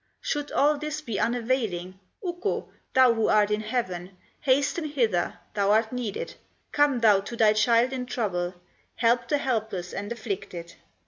"Should all this be unavailing, Ukko, thou who art in heaven, Hasten hither, thou art needed, Come thou to thy child in trouble, Help the helpless and afflicted.